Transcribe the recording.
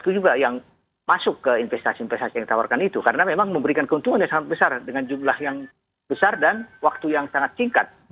itu juga yang masuk ke investasi investasi yang ditawarkan itu karena memang memberikan keuntungan yang sangat besar dengan jumlah yang besar dan waktu yang sangat singkat